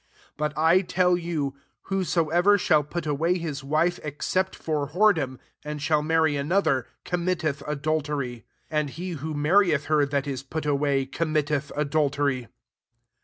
9 But I UU you* Whosoever shall put away his wife, except for wkoredom, and shall marry another, commit* teth adultery; and he who marrieth her that is put away committeth adultery.